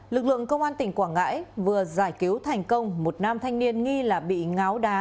lực lượng công an tỉnh quảng ngãi vừa giải cứu thành công một nam thanh niên nghi là bị ngáo đá